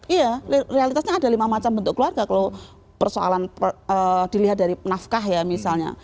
iya realitasnya ada lima macam bentuk keluarga kalau persoalan dilihat dari nafkah ya misalnya